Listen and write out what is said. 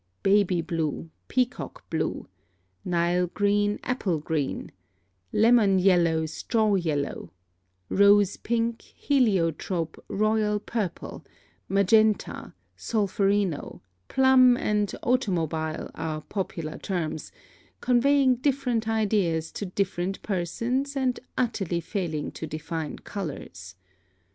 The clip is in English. Baby blue, peacock blue, Nile green, apple green, lemon yellow, straw yellow, rose pink, heliotrope, royal purple, Magenta, Solferino, plum, and automobile are popular terms, conveying different ideas to different persons and utterly failing to define colors.